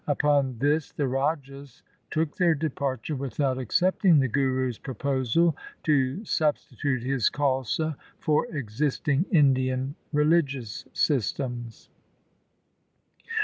Upon this the rajas took their departure without accepting the Guru's proposal to substitute his Khalsa for existing Indian religious systems.